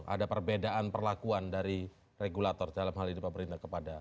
ada perbedaan perlakuan dari regulator dalam hal ini pemerintah kepada